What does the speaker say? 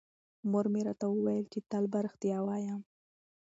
مور مې راته وویل چې تل بايد رښتیا ووایم.